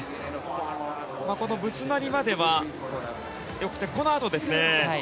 このブスナリまではよくてこのあとですね。